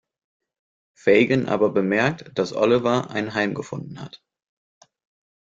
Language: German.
Fagin aber bemerkt, dass Oliver ein Heim gefunden hat.